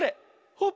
ほっ！